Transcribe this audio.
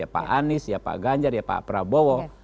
pak anies pak ganjar pak prabowo